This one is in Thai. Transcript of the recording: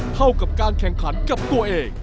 เท่ากับการแข่งขันกับตัวเอง